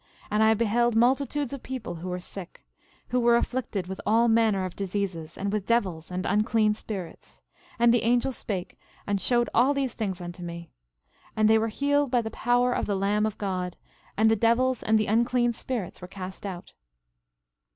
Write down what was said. And I beheld multitudes of people who were sick, and who were afflicted with all manner of diseases, and with devils and unclean spirits; and the angel spake and showed all these things unto me. And they were healed by the power of the Lamb of God; and the devils and the unclean spirits were cast out.